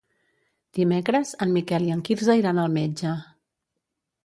Dimecres en Miquel i en Quirze iran al metge.